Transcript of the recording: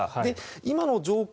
今の状況